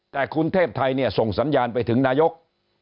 แต่คุณเทพไทยเนี่ยส่งสัญญาณไปถึงนายก